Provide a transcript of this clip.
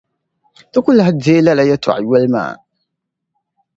Ti ku lahi deei lala yεltɔɣa yoli maa.